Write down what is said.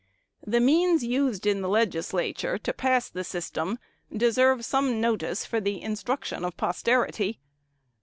The means used in the Legislature to pass the "system" deserve some notice for the instruction of posterity.